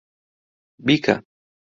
بیکە!